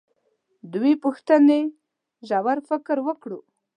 دوې پوښتنې ژور فکر وکړو.